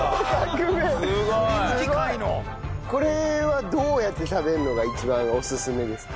これはどうやって食べるのが一番オススメですか？